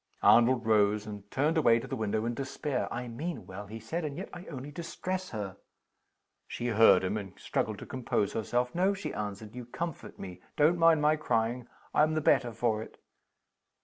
Arnold rose, and turned away to the window in despair. "I mean well," he said. "And yet I only distress her!" She heard him, and straggled to compose herself "No," she answered, "you comfort me. Don't mind my crying I'm the better for it."